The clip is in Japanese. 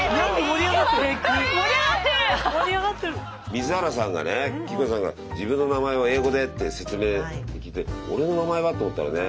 水原さんがね希子さんが自分の名前を英語でって説明聞いて俺の名前はって思ったらね